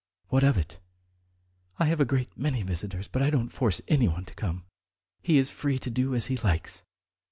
What of it? I have a great many visitors, but I don't force anyone to come. He is free to do as he likes."